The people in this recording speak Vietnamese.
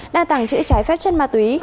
đang tảng chữ trái phép chất ma túy